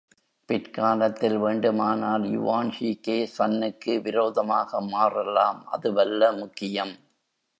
பிற்காலத்தில் வேண்டுமானால் Yuan Shikai சன்னுக்கு விரோதமாக மாறலாம், அதுவல்ல முக்கியம்.